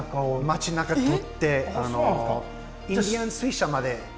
町なか通ってインディアン水車まで。